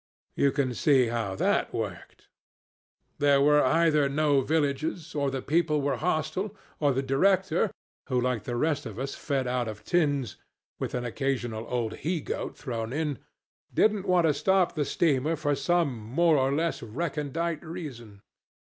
You can see how that worked. There were either no villages, or the people were hostile, or the director, who like the rest of us fed out of tins, with an occasional old he goat thrown in, didn't want to stop the steamer for some more or less recondite reason.